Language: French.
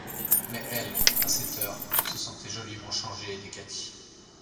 Mais elle, à cette heure, se sentait joliment changée et décatie.